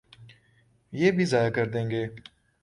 یہ بھی ضائع کر دیں گے۔